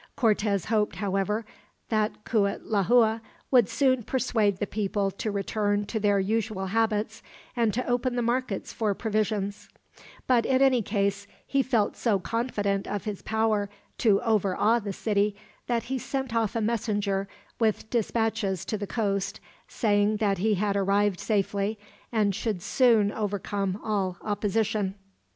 Cortez hoped, however, that Cuitlahua would soon persuade the people to return to their usual habits, and to open the markets for provisions; but in any case, he felt so confident of his power to overawe the city, that he sent off a messenger with dispatches to the coast, saying that he had arrived safely, and should soon overcome all opposition.